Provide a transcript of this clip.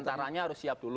tentaranya harus siap dulu